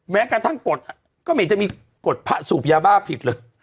แม้กระทั่งกฎก็ไม่เห็นจะมีกฎพระสูบยาบ้าผิดเลย